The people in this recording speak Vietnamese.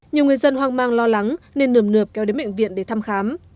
nhiều người dân hoang mang lo lắng nên nườm nượp kéo đến bệnh viện để thăm khám